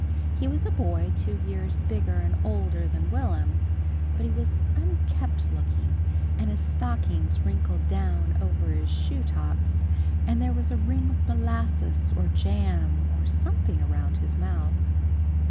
He was a boy two years bigger and older than Will'm, but he was unkempt looking, and his stockings wrinkled down over his shoe tops, and there was a ring of molasses or jam or something around his mouth.